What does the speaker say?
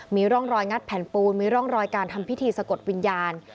มีร่องรอยงัดแผ่นปูนมีร่องรอยการทำพิธีสะกดวิญญาณ